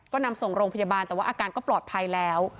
ก็นำส่งโรงพยาบาลแต่ว่าอาการก็ปลอดภัยแล้ว